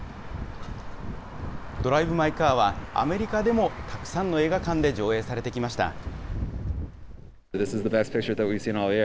ドライブ・マイ・カーはアメリカでもたくさんの映画館で上映されてきました。